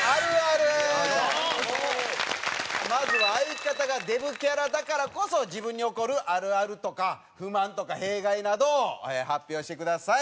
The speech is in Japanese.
まずは相方がデブキャラだからこそ自分に起こるあるあるとか不満とか弊害などを発表してください。